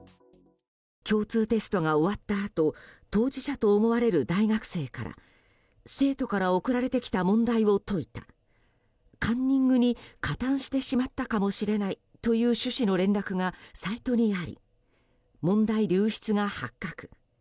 共通テストが終わったあと当事者と思われる大学生から生徒から送られてきた問題を解いたカンニングに加担してしまったかもしれないという趣旨の連絡がサイトにあり、問題流出が発覚。